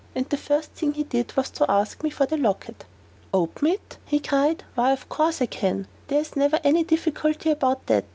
And the first thing he did was to ask me for the locket. "Open it?" he cried; "why, of course I can; there is never any difficulty about that.